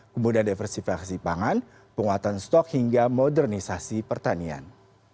kemudian diversifikasi pangan penguatan stok hingga modernisasi pertanian